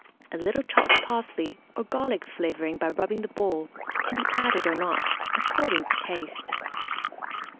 A little chopped parsley, or garlic flavouring by rubbing the bowl, can be added or not, according to taste.